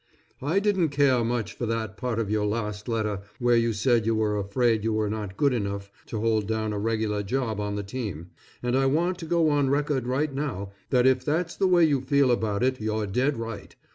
I didn't care much for that part of your last letter where you said you were afraid you were not good enough to hold down a regular job on the team, and I want to go on record right now that if that's the way you feel about it you're dead right.